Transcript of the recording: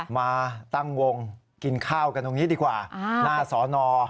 มาตั้งวงกินข้าวกันตรงนี้ดีกว่าหน้าสอนอ